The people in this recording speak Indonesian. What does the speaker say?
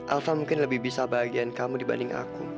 alva mungkin lebih bisa bahagiaan kamu dibanding aku